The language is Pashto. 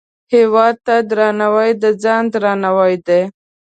هیواد ته درناوی، د ځان درناوی دی